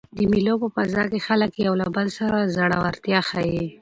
د مېلو په فضا کښي خلک له یو بل سره زړورتیا ښيي.